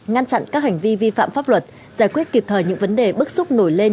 ngăn chặn các hành vi vi phạm pháp luật giải quyết kịp thời những vấn đề bức xúc nổi lên